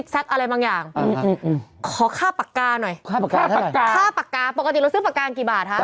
ค่าปากกาปกติเราซื้อปากกากี่บาทฮะ